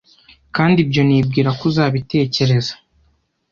Kandi ibyo nibwira ko uzabitekereza,